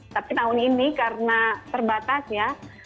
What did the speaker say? tapi tahun ini karena terbatas ya